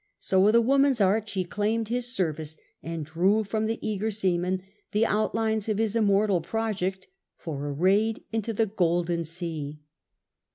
So with a woman's art she c]aimed his service and drew from the eager seaman the outlines of his immortal project for a raid into the Golden Sea.